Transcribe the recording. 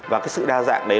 và cái sự đa dạng đấy